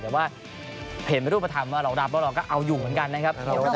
เห็นในรูปฐานว่าเรารับแล้วเราก็เอาอยู่เหมือนกันนะครับ